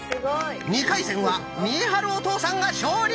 ２回戦は見栄晴お父さんが勝利！